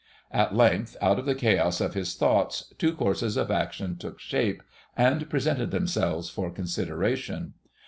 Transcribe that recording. At length, out of the chaos of his thoughts, two courses of action took shape and presented themselves for consideration.